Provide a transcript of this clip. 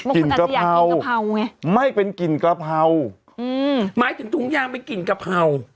กลิ่นกะเพราไม่เป็นกลิ่นกะเพราอืมหมายถึงถุงยางไม่กลิ่นกะเพรา